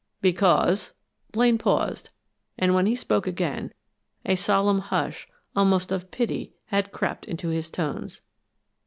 "Because " Blaine paused, and when he spoke again, a solemn hush, almost of pity, had crept into his tones.